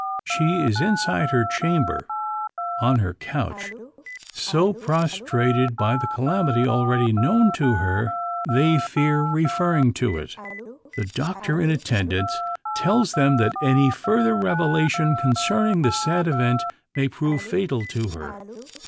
She is inside her chamber on her couch so prostrated by the calamity already known to her, they fear referring to it. The doctor in attendance tells them, that any further revelation concerning the sad event may prove fatal to her.